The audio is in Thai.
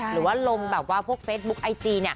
หรือว่าลงพวกเฟสบุ๊กไอจี